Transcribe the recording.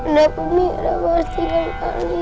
mami udah pasti gak kali